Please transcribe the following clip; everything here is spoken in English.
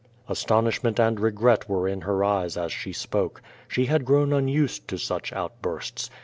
Astonishment and regret were in her eyes as she spoke. She had grown unused to such outbursts.